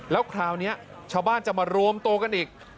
แล้วคราวนี้ชาวบ้านจะมารวมตัวกันอีก